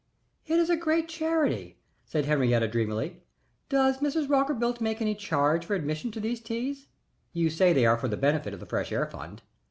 "It is a great charity," said Henrietta dreamily. "Does Mrs. Rockerbilt make any charge for admission to these teas you say they are for the benefit of the Fresh Air Fund?"